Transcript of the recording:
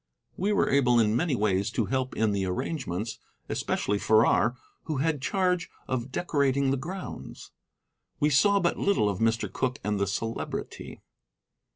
We were able in many ways to help in the arrangements, especially Farrar, who had charge of decorating the grounds. We saw but little of Mr. Cooke and the Celebrity.